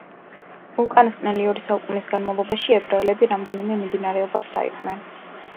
უკანასკნელი ორი საუკუნის განმავლობაში ებრაელები რამდენიმე მიმდინარეობად დაიყვნენ.